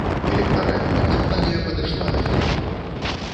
Электаральная кампанія падышла да фіналу.